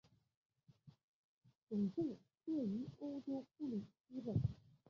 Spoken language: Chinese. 总部设于澳洲布里斯本。